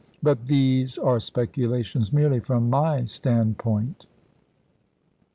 But these are speculations merely from my stand point."